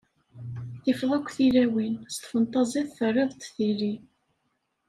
Tifeḍ akk tilawin, s tfentaẓit terriḍ-d tili.